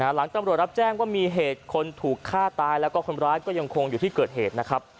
หลังตำรวจรับแจ้งว่ามีเหตุคนถูกฆ่าตายแล้วก็คนร้ายก็ยังคงอยู่ที่เกิดเหตุนะครับ